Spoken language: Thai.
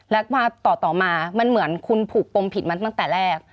แล้วก็ต่อมามันเหมือนคุณผูกปมผิดมาตั้งแต่แรก